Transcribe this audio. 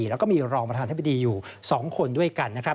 แล้วก็มีรองประธานธิบดีอยู่๒คนด้วยกันนะครับ